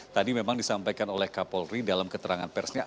tadi memang disampaikan oleh kapolri dalam keterangan persnya